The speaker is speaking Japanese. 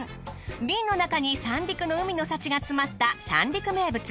瓶の中に三陸の海の幸が詰まった三陸名物。